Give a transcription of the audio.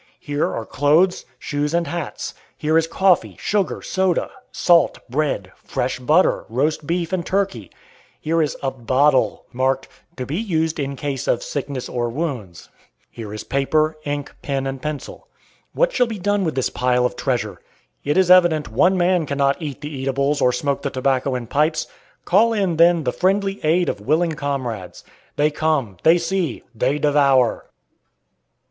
Here are clothes, shoes, and hats; here is coffee, sugar, soda, salt, bread, fresh butter, roast beef, and turkey; here is a bottle! marked "to be used in case of sickness or wounds." Here is paper, ink, pen and pencil. What shall be done with this pile of treasure? It is evident one man cannot eat the eatables or smoke the tobacco and pipes. Call in, then, the friendly aid of willing comrades. They come; they see; they devour!